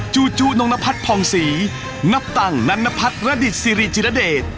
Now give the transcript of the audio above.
ู่นงนพัฒน์ผ่องศรีนับตังนันนพัฒน์ระดิษฐศิริจิรเดช